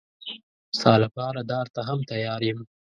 ستا لپاره دار ته هم تیار یم.